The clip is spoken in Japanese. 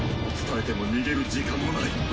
伝えても逃げる時間もない！